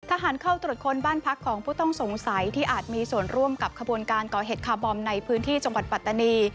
ทหารเข้าตรวจค้นบ้านพักของผู้ต้องสงสัยที่อาจมีส่วนร่วมกับขบวนการก่อเหตุคาร์บอมในพื้นที่จังหวัดปัตตานี